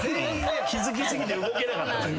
気付きすぎて動けなかった。